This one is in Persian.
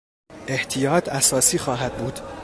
احتیاط اساسی خواهد بود.